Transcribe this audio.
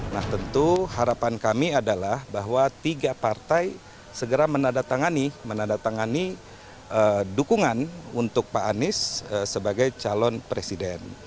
nah tentu harapan kami adalah bahwa tiga partai segera menandatangani dukungan untuk pak anies sebagai calon presiden